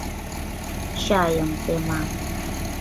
Чайым тема.